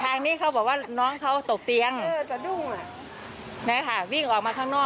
ทางนี้เขาบอกว่าน้องเขาตกเตียงสะดุ้งวิ่งออกมาข้างนอก